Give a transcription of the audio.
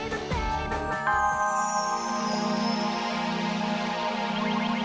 rah rah pialamu daerahmu